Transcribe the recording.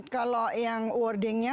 kalau yang wordingnya